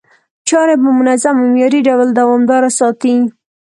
چاري په منظم او معياري ډول دوامداره ساتي،